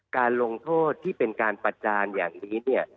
การลงโทษที่เป็นการประจานอย่างนี้เนี่ย